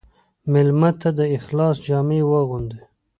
مېلمه ته د اخلاص جامې واغوندې.